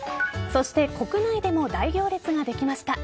そして国内でも大行列ができました。